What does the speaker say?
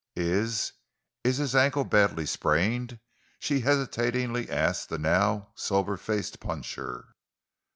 "Is—is his ankle badly sprained?" she hesitatingly asked the now sober faced puncher.